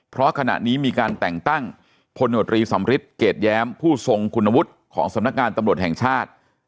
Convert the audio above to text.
เพราะขณะนี้มีการแต่งตั้งพลโนตรีสำริทเกรดแย้มผู้ทรงคุณวุฒิของสำนักงานตำรวจแห่งชาติ